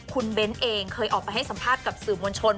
คุณเบ้นเองเคยออกไปให้สัมภาษณ์กับสื่อมวลชน